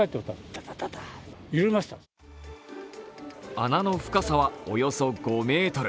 穴の深さはおよそ５ｍ。